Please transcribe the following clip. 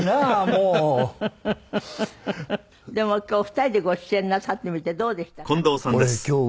でも今日お二人でご出演なさってみてどうでしたか？